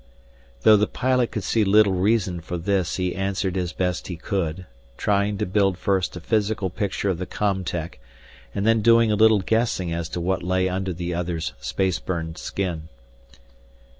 Though the pilot could see little reason for this he answered as best he could, trying to build first a physical picture of the com tech and then doing a little guessing as to what lay under the other's space burned skin.